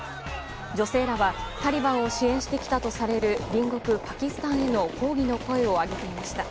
女性らはタリバンを支援してきたとされる隣国パキスタンへの抗議の声を上げていました。